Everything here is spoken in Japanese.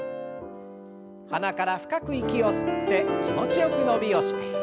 鼻から深く息を吸って気持ちよく伸びをして。